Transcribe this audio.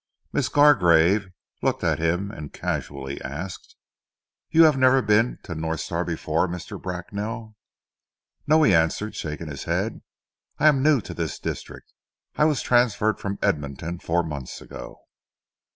Miss Gargrave looked at him and casually asked, "You have never been to North Star before, Mr. Bracknell?" "No," he answered, shaking his head. "I am new to this district. I was transferred from Edmonton four months ago."